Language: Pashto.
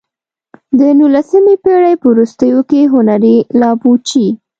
د نولسمې پېړۍ په وروستیو کې هنري لابوچي.